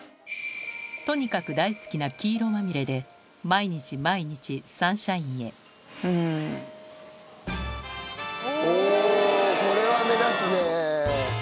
とにかく大好きな黄色まみれで毎日毎日サンシャインへおぉこれは目立つね。